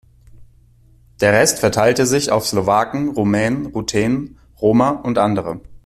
Der Rest verteilte sich auf Slowaken, Rumänen, Ruthenen, Roma und andere.